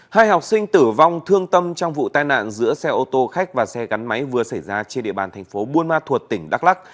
hai học sinh tử vong thương tâm trong vụ tai nạn giữa xe ô tô khách và xe gắn máy vừa xảy ra trên địa bàn thành phố buôn ma thuột tỉnh đắk lắc